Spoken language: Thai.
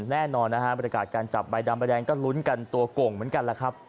แน่นอนนะฮะบรรยากาศการจับใบดำใบแดงก็ลุ้นกันตัวโก่งเหมือนกันแหละครับ